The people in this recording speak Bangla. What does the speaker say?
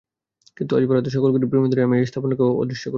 কিন্তু আজ, ভারতের সকল গরীব প্রেমীদের হয়ে আমি এই স্থাপনাকে করব অদৃশ্য।